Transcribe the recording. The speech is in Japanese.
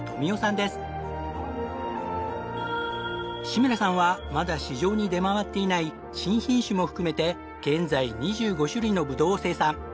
志村さんはまだ市場に出回っていない新品種も含めて現在２５種類のぶどうを生産。